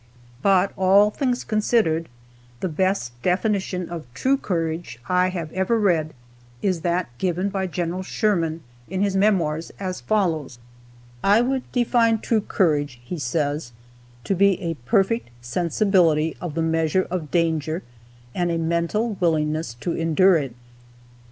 But, all things considered, the best definition of true courage I have ever read is that given by Gen. Sherman in his Memoirs, as follows: "I would define true courage," (he says,) "to be a perfect sensibility of the measure of danger, and a mental willingness to endure it."